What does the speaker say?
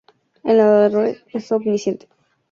El narrador es omnisciente.